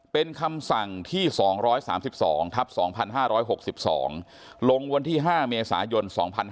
เป็นคำสั่งที่๒๓๒ทับ๒๕๖๒ลงวันที่๕เมษายน๒๕๕๙